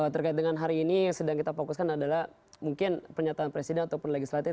terkait dengan hari ini yang sedang kita fokuskan adalah mungkin pernyataan presiden ataupun legislatif